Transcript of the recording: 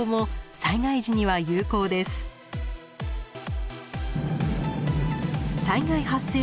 災害発生時